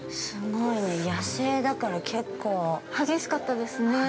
すごい野生だから、結構◆激しかったですね。